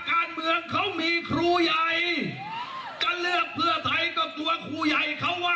แถมกัญชาเสรียังมาอีก